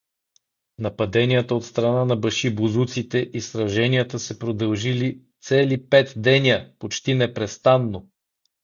Нападенията от страна на башибозуците и сраженията се продължили цели пет деня почти непрестанно.